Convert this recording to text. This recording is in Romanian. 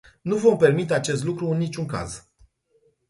Nu vom permite acest lucru în niciun caz.